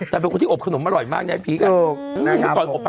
แต่เป็นคนที่อบขนมอร่อยมากน่ะพีคน่ะถูกน่ะครับอุ้ยก่อนอบมา